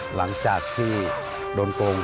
หลังจากที่โดนโกง